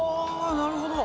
なるほど！